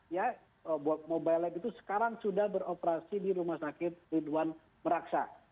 ya mobile lab itu sekarang sudah beroperasi di rumah sakit ridwan meraksa